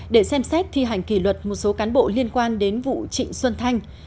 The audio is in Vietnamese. để xem xét thi hành kỷ luật một số cán bộ liên quan đến vụ trịnh xuân thanh